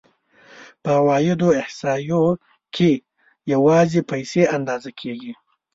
په عوایدو احصایو کې یوازې پیسې اندازه کېږي